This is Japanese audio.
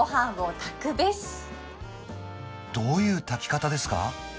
どういう炊き方ですか？